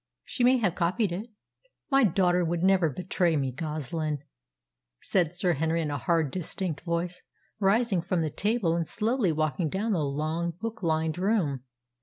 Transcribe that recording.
"She may have copied it." "My daughter would never betray me, Goslin," said Sir Henry in a hard, distinct voice, rising from the table and slowly walking down the long, book lined room.